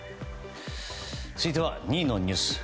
続いては２位のニュース。